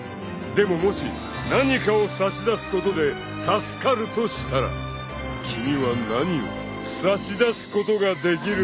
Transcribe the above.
［でももし何かを差し出すことで助かるとしたら君は何を差し出すことができるんですかねぇ？］